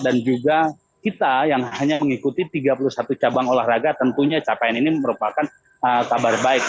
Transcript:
dan juga kita yang hanya mengikuti tiga puluh satu cabang olahraga tentunya capaian ini merupakan kabar baik